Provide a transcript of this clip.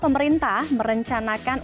terima kasih raditya